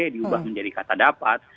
diubah menjadi kata dapat